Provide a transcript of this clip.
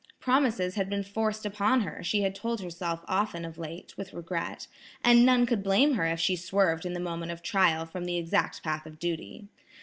Promises had been forced upon her she had told herself often of late, with regret, and none could blame her if she swerved in the moment of trial from the exact path of duty.